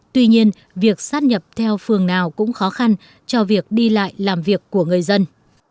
tuy nhiên việc sát nhập theo phường nào cũng khó khăn cho việc đi lại làm việc của người dân